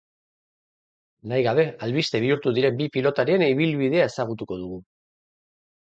Nahi gabe albiste bihurtu diren bi pilotarien ibilbidea ezagutuko dugu.